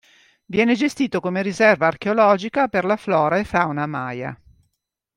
Viene gestito come Riserva Archeologica per la flora e fauna Maya.